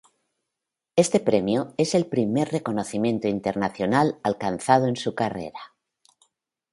Este premio es el primer reconocimiento internacional alcanzado en su carrera.